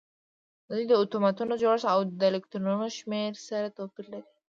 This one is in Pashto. د دوی د اتومونو جوړښت او د الکترونونو شمیر سره توپیر لري